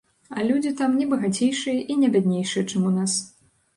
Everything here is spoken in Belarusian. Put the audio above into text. А людзі там не багацейшыя і не бяднейшыя, чым у нас.